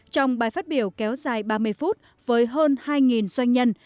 trong bài phát biểu kéo dài ba mươi phút với hơn hai doanh nhân